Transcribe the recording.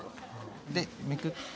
でめくって。